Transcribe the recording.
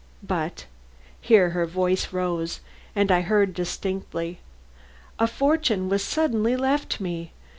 But here her voice rose and I heard distinctly: "A fortune was suddenly left me.